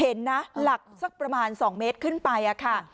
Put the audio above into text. เห็นนะหลักสักประมาณ๒เมตรขึ้นไปค่ะ